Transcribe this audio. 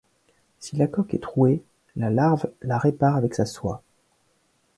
Si la coque est trouée, la larve la répare avec sa soie.